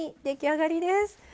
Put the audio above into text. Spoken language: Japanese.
出来上がりです。